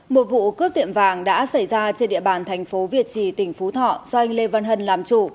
một vụ cướp tiệm vàng đã xảy ra trên địa bàn thành phố việt trì tỉnh phú thọ do anh lê văn hân làm chủ